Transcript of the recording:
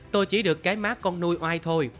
tôi chỉ được cái má con nuôi oai thôi